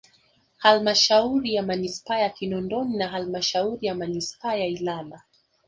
Halmashauri ya Manispaa ya Kinondoni na Halmashauri ya Manispaa ya Ilala